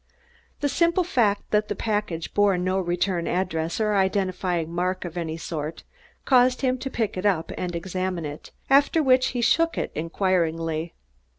The simple fact that the package bore no return address or identifying mark of any sort caused him to pick it up and examine it, after which he shook it inquiringly.